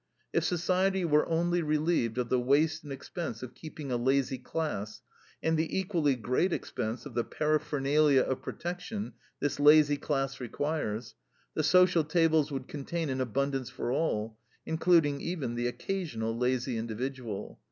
If society were only relieved of the waste and expense of keeping a lazy class, and the equally great expense of the paraphernalia of protection this lazy class requires, the social tables would contain an abundance for all, including even the occasional lazy individual.